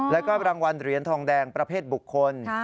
แล้วก็รางวัลเหรียญทองแดงประเภทบุคคล